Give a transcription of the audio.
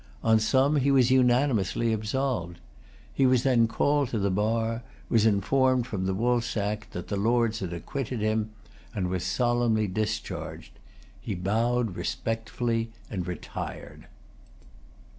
On some, he was unanimously absolved. He was then called to the bar, was informed from the woolsack that the Lords had acquitted him, and was solemnly discharged. He bowed respectfully and retired.